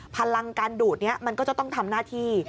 พลังการดูดนี้มันก็จะต้องทำหน้าที่